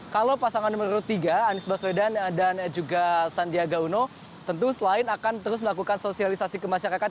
kalau pasangan nomor tiga anies baswedan dan juga sandiaga uno tentu selain akan terus melakukan sosialisasi ke masyarakat